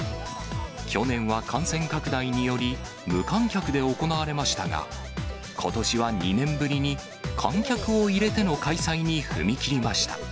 去年は感染拡大により、無観客で行われましたが、ことしは２年ぶりに、観客を入れての開催に踏み切りました。